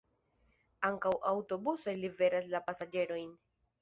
Ankaŭ aŭtobusoj liveras la pasaĝerojn.